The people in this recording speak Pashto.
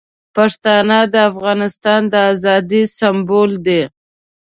پښتانه د افغانستان د ازادۍ سمبول دي.